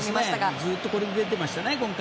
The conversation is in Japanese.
ずっとこれで出ていましたね、今回。